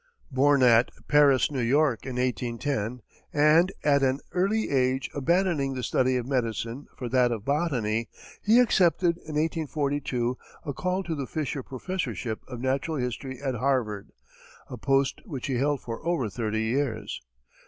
Born at Paris, N. Y., in 1810, and at an early age abandoning the study of medicine for that of botany, he accepted, in 1842, a call to the Fisher professorship of natural history at Harvard, a post which he held for over thirty years.